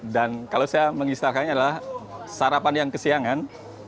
dan kalau saya mengisahkannya adalah sarapan yang kesiangan